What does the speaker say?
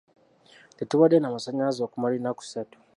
Tetubadde na masanyalaze okumala ennaku satu.